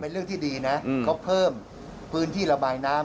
เรื่องที่ดีนะเขาเพิ่มพื้นที่ระบายน้ำ